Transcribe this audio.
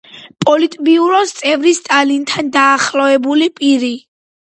პოლიტბიუროს წევრი, სტალინთან დაახლოებული პირი.